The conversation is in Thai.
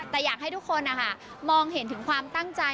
แต่อยากให้ทุกคนมองเห็นถึงความตั้งใจ